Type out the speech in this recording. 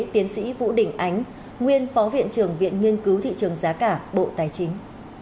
tiến sĩ vũ đình ánh nguyên phó viện trưởng viện nghiên cứu thị trường giá cả bộ tài chính